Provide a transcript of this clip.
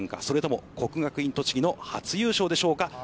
それとも国学院栃木の初優勝でしょうか。